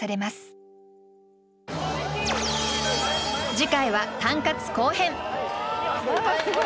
次回は「タンカツ」後編。